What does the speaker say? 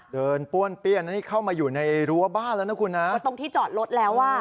ป้วนเปี้ยนอันนี้เข้ามาอยู่ในรั้วบ้านแล้วนะคุณนะมาตรงที่จอดรถแล้วอ่ะ